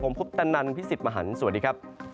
มค